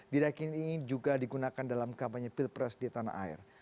tidak kini ingin juga digunakan dalam kampanye pilpres di tanah air